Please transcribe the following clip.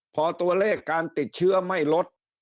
พอตัวเลขการติดเชื้อไม่ลด